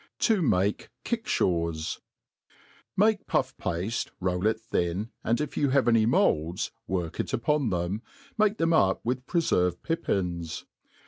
To make Kickjhaws, MAKE pufflpafie, roll it thin, and if you have any moulds, work it upon them, make them up with preferved pippins.